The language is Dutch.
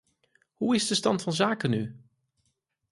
Hoe is de stand van zaken nu?